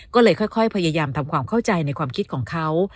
ก็เลยค่อยพยายามทำความเข้าใจในความคิดของเขา